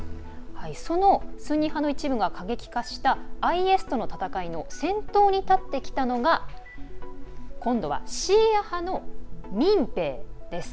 そのスンニ派の一部が過激化したＩＳとの戦いの先頭に立ってきたのが今度はシーア派の民兵です。